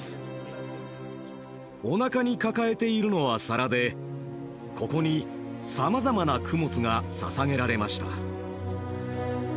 おなかに抱えているのは皿でここにさまざまな供物がささげられました。